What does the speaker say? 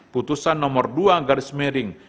putusan nomor dua garis miring